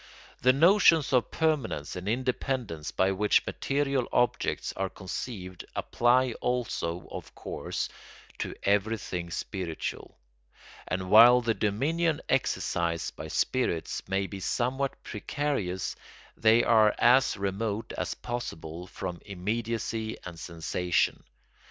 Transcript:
The notions of permanence and independence by which material objects are conceived apply also, of course, to everything spiritual; and while the dominion exercised by spirits may be somewhat precarious, they are as remote as possible from immediacy and sensation.